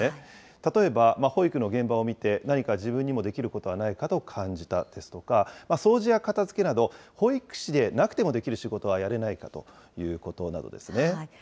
例えば保育の現場を見て、何か自分にもできることはないかと感じたですとか、掃除や片づけなど、保育士でなくてもできる仕事はやれないかということなどですね。